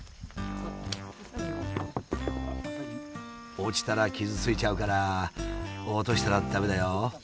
落ちたら傷ついちゃうから落としたら駄目だよ。